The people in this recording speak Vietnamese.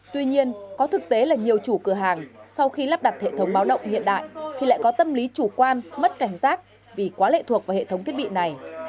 tuy nhiên có thực tế là nhiều chủ cửa hàng sau khi lắp đặt hệ thống báo động hiện đại thì lại có tâm lý chủ quan mất cảnh giác vì quá lệ thuộc vào hệ thống thiết bị này